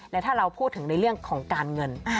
และถ้าเราพูดถึงในเรื่องของการเงิน